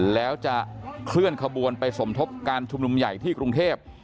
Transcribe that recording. แล้วจะเคลื่อนขบวนไปสมทบการชุมนุมใหญ่ที่กรุงเทพ